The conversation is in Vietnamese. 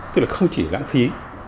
tức là không chỉ lãng phí